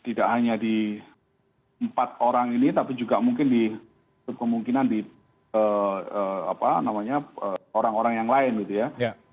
tidak hanya di empat orang ini tapi juga mungkin di kemungkinan di apa namanya orang orang yang lain gitu ya